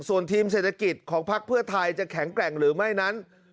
ส่วนทีมเศรษฐกิจของพักเพื่อไทยจะแข็งแกร่งหรือไม่นั้น